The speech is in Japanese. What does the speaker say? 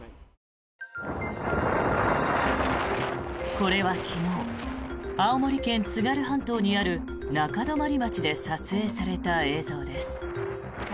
これは昨日青森県・津軽半島にある中泊町で撮影された映像です。